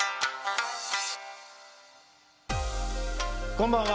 こんばんは！